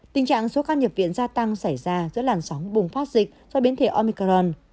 tình trạng số ca nhập viện gia tăng xảy ra giữa làn sóng bùng phát dịch do biến thể omicron